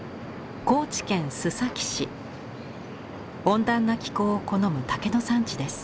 温暖な気候を好む竹の産地です。